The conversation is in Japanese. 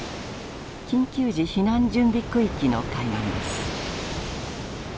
緊急時避難準備区域の海岸です。